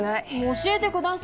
教えてください。